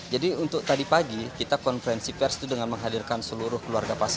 jadi untuk tadi pagi kita konferensi pers itu dengan menghadirkan seluruh keluarga